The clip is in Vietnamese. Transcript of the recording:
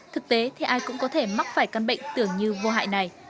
thực tế thì ai cũng có thể mắc phải căn bệnh tưởng như vô hại này